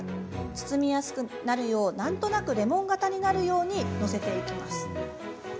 包みやすくなるようなんとなくレモン型になるようにのせていきます。